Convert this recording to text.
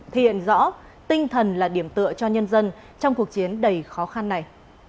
thể hiện rõ tinh thần là điểm tựa cho nhân dân trong cuộc chiến đầy khó khăn này